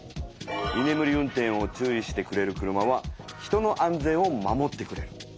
いねむり運転を注意してくれる車は人の安全を守ってくれる。